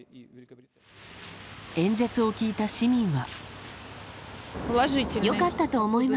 演説を聞いた市民は。